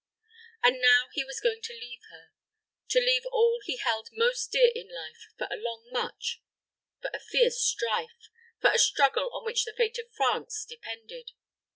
And now he was going to leave her to leave all he held most dear in life for a long much for a fierce strife for a struggle on which the fate of France depended.